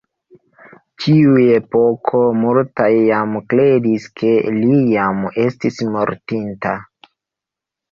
Tiuepoke, multaj jam kredis ke li jam estis mortinta.